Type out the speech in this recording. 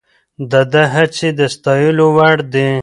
د ده هڅې د ستایلو وړ دي.